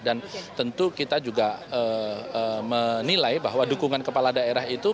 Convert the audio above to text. tentu kita juga menilai bahwa dukungan kepala daerah itu